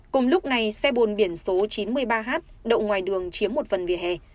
cùng lúc này xe bồn biển số chín mươi ba h đậu ngoài đường chiếm một phần vỉa hè